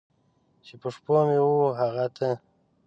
چې په شپو مې و هغه ته!